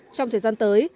trong thời gian tới